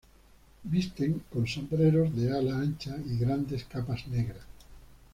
Visten con sombreros de ala ancha y grandes capas negras.